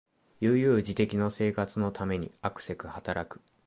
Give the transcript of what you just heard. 悠々自適の生活のためにあくせく働く